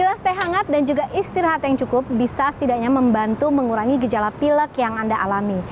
ketika ada pancak kemudian berehat dan juga istirahat yang cukup bisa setidaknya membantu mengurangi gejala pilek yang anda alami